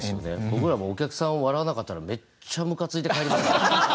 僕らもうお客さん笑わなかったらめっちゃムカついて帰りますけどね。